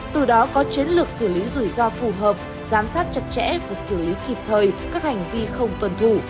từ đó có chiến lược xử lý rủi ro phù hợp giám sát chặt chẽ và xử lý kịp thời các hành vi không tuân thủ